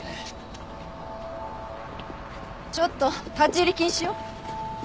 ちょっと立ち入り禁止よ。